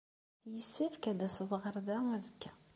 Yessefk ad d-tased ɣer da azekka.